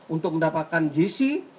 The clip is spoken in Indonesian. untuk mendapatkan jisi